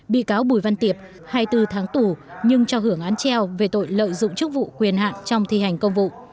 bị cáo bùi văn tiệp hai mươi bốn tháng tù nhưng cho hưởng án treo về tội lợi dụng chức vụ quyền hạn trong thi hành công vụ